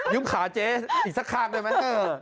ยืมขาเจ๊อีกสักครั้งได้ไหม